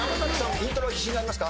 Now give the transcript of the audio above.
イントロは自信ありますか？